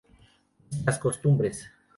Nuestras costumbres.